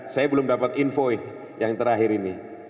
saya belum dapat info yang terakhir ini